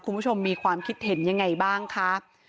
คุณผู้ชมมีความคิดเห็นยังไงบ้างคะ